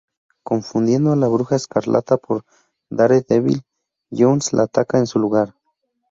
Confundiendo a la Bruja Escarlata por Daredevil, Jones la ataca en su lugar.